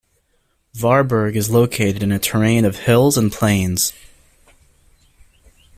Varberg is located in a terrain of hills and plains.